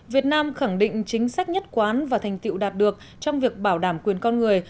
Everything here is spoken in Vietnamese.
việt nam khẳng định chính sách nhất quán và thành tiệu đạt được trong việc bảo đảm quyền con người